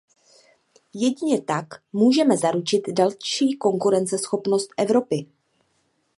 Jedině tak můžeme zaručit další konkurenceschopnost Evropy.